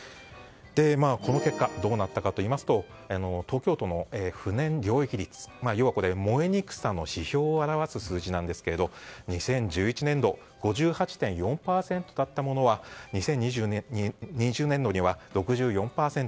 この結果どうなったかといいますと東京都の不燃領域率要は、燃えにくさの指標を表す数値なんですが２０１１年度５８．４％だったものは２０２０年度には６４％。